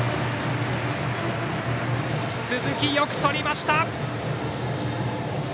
鈴木、よくとりました！